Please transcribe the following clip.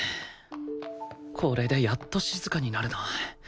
これでやっと静かになるな